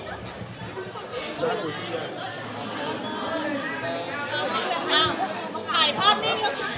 อาราบใหม่หายพอปลิ้น